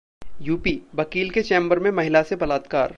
UP वकील के chamber में महिला से बलात्कार